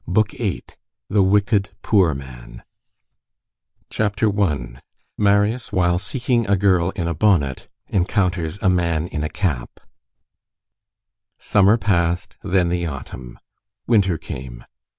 BOOK EIGHTH—THE WICKED POOR MAN CHAPTER I—MARIUS, WHILE SEEKING A GIRL IN A BONNET, ENCOUNTERS A MAN IN A CAP Summer passed, then the autumn; winter came.